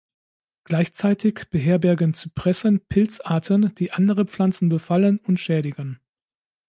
Gleichzeitig beherbergen Zypressen Pilzarten, die andere Pflanzen befallen und schädigen.